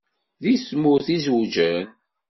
Deg tmurt i zewǧen?